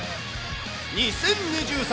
２０２３